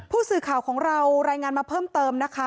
ผู้สื่อข่าวของเรารายงานมาเพิ่มเติมนะคะ